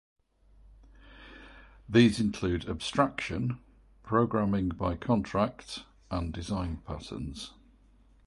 These include abstraction, programming by contract, and design patterns.